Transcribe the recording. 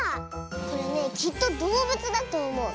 これねきっとどうぶつだとおもう。